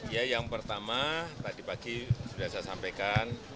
ya yang pertama tadi pagi sudah saya sampaikan